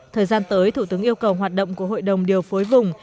thời gian tới thủ tướng yêu cầu hoạt động của hội đồng điều phối vùng